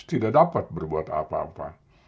tidak dapat berbuat apa apa